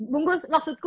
bung gus maksudku